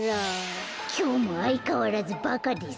かいそう「きょうもあいかわらずバカですか？